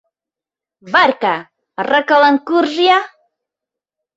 — Варька, аракалан курж-я!